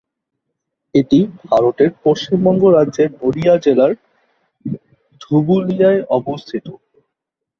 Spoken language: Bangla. এটি ভারতের পশ্চিমবঙ্গ রাজ্যের নদীয়া জেলার ধুবুলিয়ায় অবস্থিত।